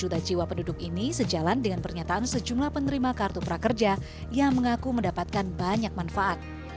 tiga ratus dua belas delapan juta jiwa penduduk ini sejalan dengan pernyataan sejumlah penerima kartu prakerja yang mengaku mendapatkan banyak manfaat